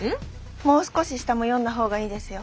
もう少し下も読んだほうがいいですよ。